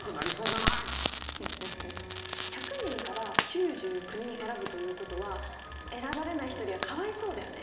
フフフ１００人から９９人選ぶということは選ばれない１人はかわいそうだよね。